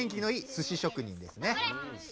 すし職人ですね。